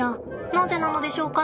なぜなのでしょうか？